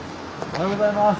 おはようございます。